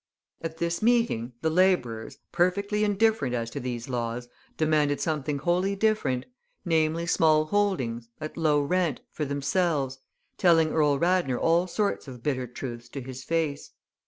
At this meeting, the labourers, perfectly indifferent as to these laws, demanded something wholly different, namely small holdings, at low rent, for themselves, telling Earl Radnor all sorts of bitter truths to his face.